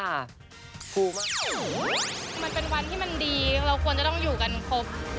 มันเป็นวันที่มันดีเราควรจะต้องอยู่กันครบ